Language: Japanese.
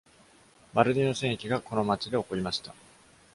バルディーノ戦役がこの町で起こりました。